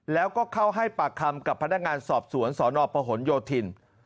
แล้วก็เข้าให้ปากคำกับพนักงานสอบสวนสนประหลโยธิน